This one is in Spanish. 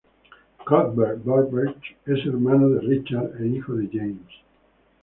Cuthbert Burbage es hermano de Richard e hijo de James.